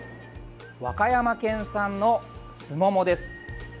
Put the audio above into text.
和歌山県産のすももです。